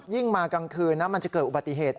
มากลางคืนนะมันจะเกิดอุบัติเหตุ